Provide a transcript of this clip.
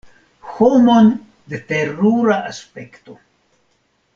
Homon de terura aspekto!